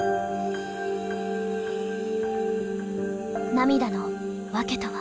涙の訳とは。